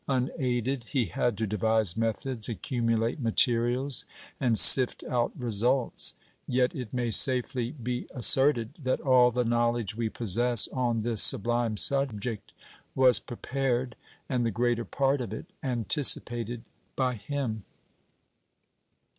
Unaided, he had to devise methods, accumulate materials, and sift out results. Yet it may safely be asserted that all the knowledge we possess on this sublime subject was prepared, and the greater part of it anticipated, by him.